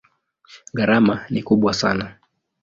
Gharama ni kubwa sana.